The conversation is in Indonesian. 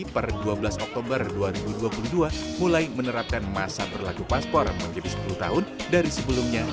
per dua belas oktober dua ribu dua puluh dua mulai menerapkan masa berlaku paspor menjadi sepuluh tahun dari sebelumnya